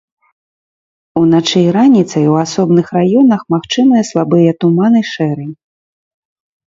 Уначы і раніцай у асобных раёнах магчымыя слабыя туман і шэрань.